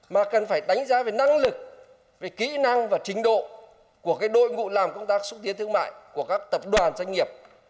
mà cần phải đánh giá về năng lực về kỹ năng và trình độ của đội ngũ làm công tác xúc tiến thương mại của các tập đoàn doanh nghiệp